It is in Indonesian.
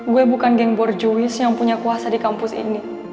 gue bukan gengbor jewish yang punya kuasa di kampus ini